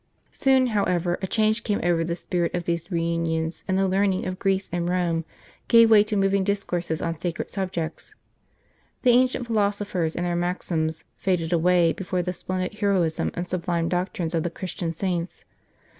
Soon, however, a change came over the spirit of these reunions, and the learning of Greece and 17 c St. Charles Borromeo Rome gave way to moving discourses on sacred subjects. The ancient philosophers and their maxims faded away before the splendid heroism and sublime doctrines of the Christian saints.